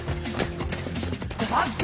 待って！